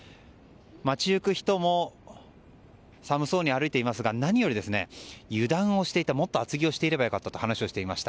街行く人も寒そうに歩いていますが、何より油断をしていたもっと厚着をしてくれば良かったと話をしていました。